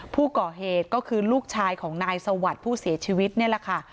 ผู้ก่อเหตุก็คือลูกชายของนายสวัสดิ์ผู้เสียชีวิตนี่แหละค่ะ